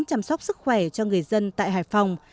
chăm sóc sức khỏe cho người dân tại hải phòng